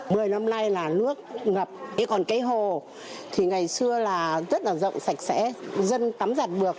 mười năm nay là nước ngập thế còn cái hồ thì ngày xưa là rất là rộng sạch sẽ dân tắm giặt được